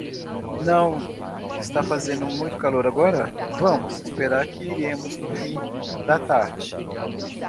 Não, está fazendo muito calor agora, vamos esperar que iremos no fim da tarde.